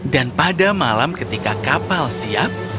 dan pada malam ketika kapal siap